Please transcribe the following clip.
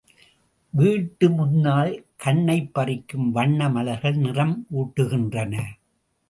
வீட்டு முன்னால் கண்ணைப் பறிக்கும் வண்ண மலர்கள் நிறம் ஊட்டுகின்றன.